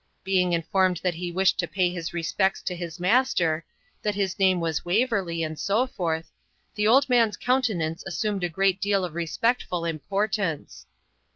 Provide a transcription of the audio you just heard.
Being informed that he wished to pay his respects to his master, that his name was Waverley, and so forth, the old man's countenance assumed a great deal of respectful importance.